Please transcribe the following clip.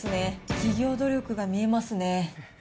企業努力が見えますね。